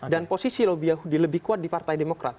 dan posisi lobby yahudi lebih kuat di partai demokrat